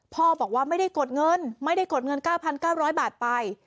บอกว่าไม่ได้กดเงินไม่ได้กดเงิน๙๙๐๐บาทไป